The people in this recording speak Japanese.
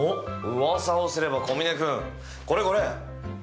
うわさをすれば小峰君これこれ。